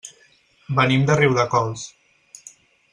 Venim de Riudecols.